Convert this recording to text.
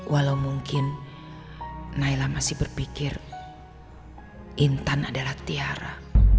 walau mungkin naila masih berpikir intan adalah tiara